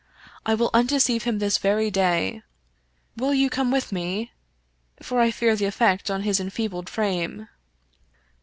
I will undeceive him this very day. Will you come with me, for I fear the effect on his en feebled frame?"